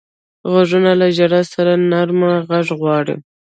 غوږونه له ژړا سره نرمه غږ غواړي